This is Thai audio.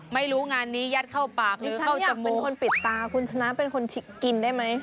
ไม่รู้งานนี้ยัดเข้าปากหรือเข้าจับเหมือนคนปิดตาคุณชนะเป็นคนกินได้ไหม